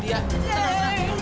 tidak ada suara apa